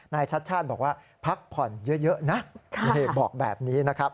นายชัดชาติบอกว่าพักผ่อนเยอะนะบอกแบบนี้นะครับ